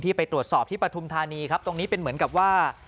ไปตรวจสอบที่ปฐุมธานีครับตรงนี้เป็นเหมือนกับว่า